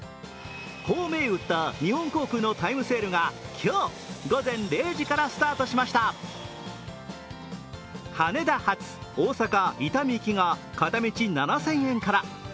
こう銘打った日本航空のタイムセールが今日午前０時からスタートしました羽田−大阪・伊丹行きが片道７０００円から。